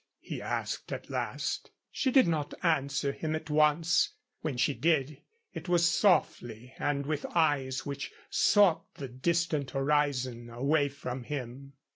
he asked at last. She did not answer him at once. When she did, it was softly and with eyes which sought the distant horizon away from him.